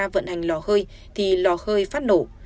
vận hành lò hơi thì lò hơi phát nổ